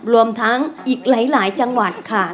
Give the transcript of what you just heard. รวมทั้งอีกหลายจังหวัดค่ะ